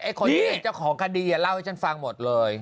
คนที่เป็นเจ้าของคดีเล่าให้ฉันฟังหมดเลย